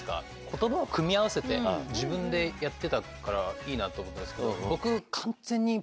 言葉を組み合わせて自分でやってたからいいなと思ったんですけど僕。